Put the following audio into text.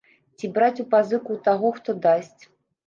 Ці браць у пазыку ў таго, хто дасць.